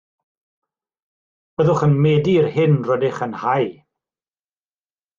Byddwch yn medi'r hyn rydych yn hau